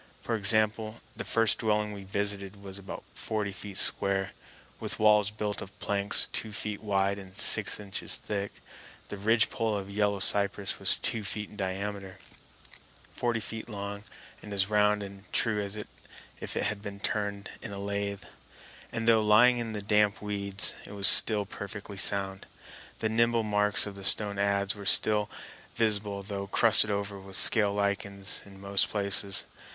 For example, the first dwelling we visited was about forty feet square, with walls built of planks two feet wide and six inches thick. The ridgepole of yellow cypress was two feet in diameter, forty feet long, and as round and true as if it had been turned in a lathe; and, though lying in the damp weeds, it was still perfectly sound. The nibble marks of the stone adze were still visible, though crusted over with scale lichens in most places.